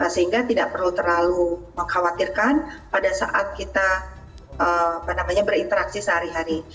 sehingga tidak perlu terlalu mengkhawatirkan pada saat kita berinteraksi sehari hari